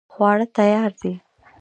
خواړه تیار دي